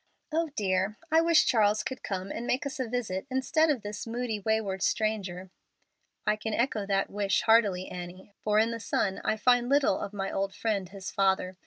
Oh, dear! I wish Charles could come and make us a visit instead of this moody, wayward stranger." "I can echo that wish heartily, Annie, for in the son I find little of my old friend, his father.